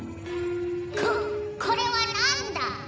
ここれはなんだ？